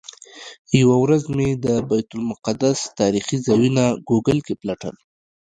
یوه ورځ مې د بیت المقدس تاریخي ځایونه ګوګل کې پلټل.